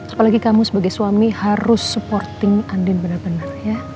apalagi kamu sebagai suami harus supporting anin bener bener ya